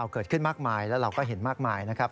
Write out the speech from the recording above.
เกิดขึ้นมากมายแล้วเราก็เห็นมากมายนะครับ